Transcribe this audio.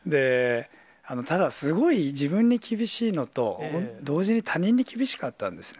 ただ、すごい自分に厳しいのと、同時に他人に厳しかったんですよね。